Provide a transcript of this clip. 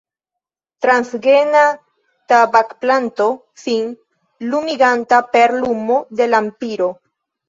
Transgena tabakplanto sin lumiganta per lumo de lampiro.